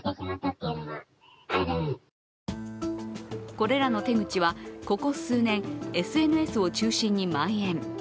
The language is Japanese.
これらの手口は、ここ数年、ＳＮＳを中心にまん延。